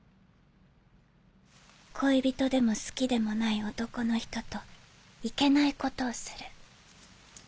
恋人でも好きでもない男の人といけないことをする。